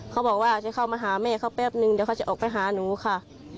เขาบอกว่าจะเข้ามาหาแม่เขาแป๊บนึงเดี๋ยวเขาจะออกไปหาหนูค่ะ